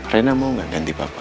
rena mau gak ganti bapak